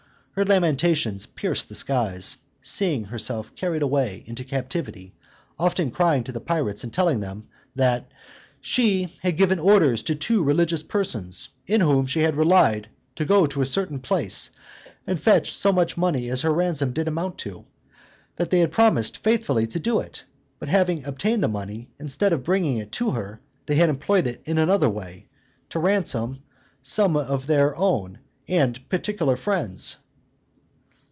Her lamentations pierced the skies, seeing herself carried away into captivity often crying to the pirates, and telling them, "That she had given orders to two religious persons, in whom she had relied, to go to a certain place, and fetch so much money as her ransom did amount to; that they had promised faithfully to do it, but having obtained the money, instead of bringing it to her, they had employed it another way, to ransom some of their own, and particular friends."